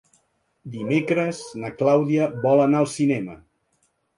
Dimecres na Clàudia vol anar al cinema.